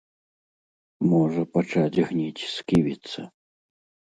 Можа пачаць гніць сківіца.